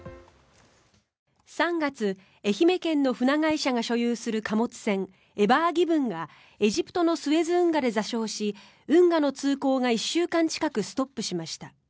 ３月、愛媛県の船会社が所有する貨物船「エバーギブン」がエジプトのスエズ運河で座礁し運河の通航が１週間近くストップしました。